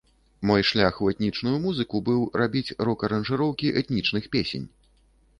Мой шлях у этнічную музыку быў, рабіць рок-аранжыроўкі этнічных песень.